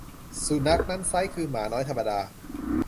สุนัขนั้นไซร้คือหมาน้อยธรรมดา